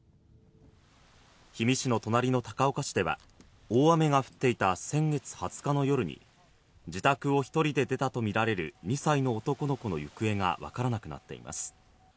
氷見市の隣の高岡市では大雨が降っていた先月２０日の夜に自宅を１人で出たとみられる２歳の男の子の行方がわからなくなっています。